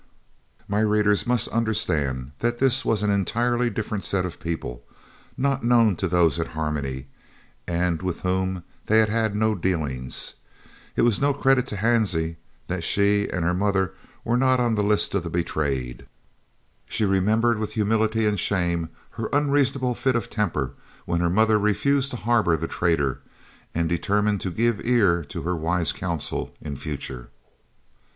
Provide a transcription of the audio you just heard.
My readers must understand that this was an entirely different set of people, not known to those at Harmony, and with whom they had had no dealings. It was no credit to Hansie that she and her mother were not on the list of the betrayed. She remembered with humility and shame her unreasonable fit of temper when her mother refused to harbour the traitor, and determined to give ear to her wise counsel in future.